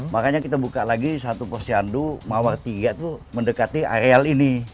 makanya kita buka lagi satu pos candu mawar tiga tuh mendekati areal ini